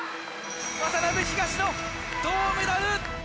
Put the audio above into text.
渡辺、東野、銅メダル！